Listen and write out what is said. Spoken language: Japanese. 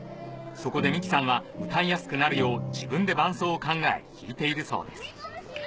そこで美紀さんは歌いやすくなるよう自分で伴奏を考え弾いているそうです